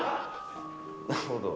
なるほど。